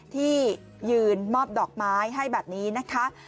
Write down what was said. ที่ยืนมอบดอกไม้ให้แบบนี้นะคะ